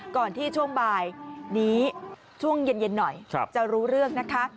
ก่อนที่ช่วงบ่ายนี้ช่วงเย็นหน่อยจะรู้เรื่องนะคะ